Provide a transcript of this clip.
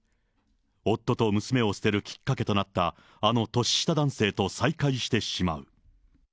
夫と娘を捨てるきっかけとなった、あの年下男性と再会してしまう。